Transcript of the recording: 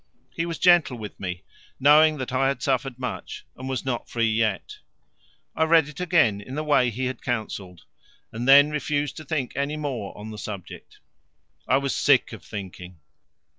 He was gentle with me, knowing that I had suffered much, and was not free yet. I read it again in the way he had counselled, and then refused to think any more on the subject. I was sick of thinking.